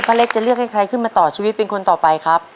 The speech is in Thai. เล็กจะเลือกให้ใครขึ้นมาต่อชีวิตเป็นคนต่อไปครับ